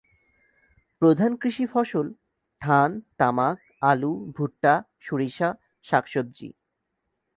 প্রধান কৃষি ফসল ধান, তামাক, আলু, ভুট্টা, সরিষা, শাকসবজি।